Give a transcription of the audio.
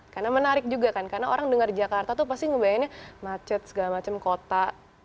karena menarik juga kan karena orang dengar jakarta itu pasti ngebayanginnya macet segala macam kota